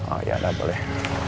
oh ya ada boleh